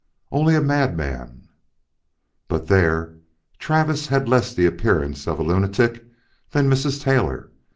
Only a madman But there! Travis had less the appearance of a lunatic than Mrs. Taylor.